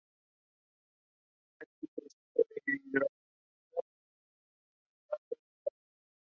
Los estudio de factibilidad se entregaría en ese mismo mes.